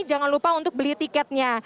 jangan lupa untuk beli tiketnya